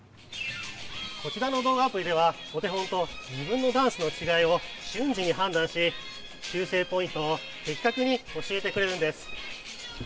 こちらの動画アプリではお手本と自分のダンスの違いを瞬時に判断し修正ポイントを的確に教えてくれるんです。